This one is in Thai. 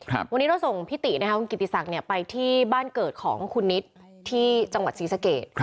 วันนี้เราส่งพิตินะคะคุณกิติศักดิ์ไปที่บ้านเกิดของคุณนิดที่จังหวัดศรีสะเกด